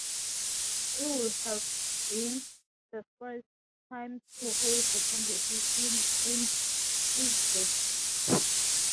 It would have been the first time to host the competition in Uzbekistan.